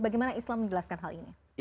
bagaimana islam menjelaskan hal ini